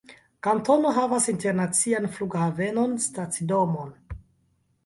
Kantono havas internacian flughavenon, stacidomon.